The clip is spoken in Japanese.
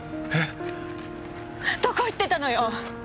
どこ行ってたのよ？